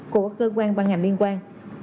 của cơ quan và ngành liên quan